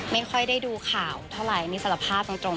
ไม่ค่อยได้ดูข่าวเท่าไหร่นี่สารภาพตรง